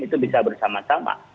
itu bisa bersama sama